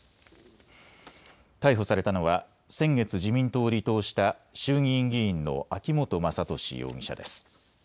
逮捕されたのは先月、自民党を離党した衆議院議員の秋本真利容疑者です。